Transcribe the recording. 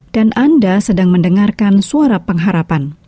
dan anda sedang mendengarkan suara pengharapan